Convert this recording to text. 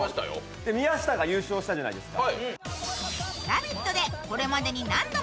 宮下が優勝したじゃないですか。